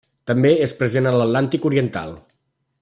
També és present a l'Atlàntic oriental.